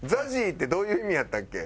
「ＺＡＺＹ」ってどういう意味やったっけ？